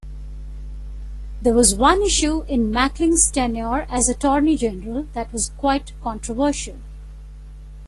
There was one issue in Mackling's tenure as Attorney General that was quite controversial.